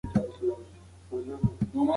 د خوبونو قرباني ورکړئ.